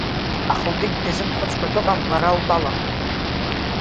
Аха убригь дазымхәыцкәа дыҟам лара лтәала…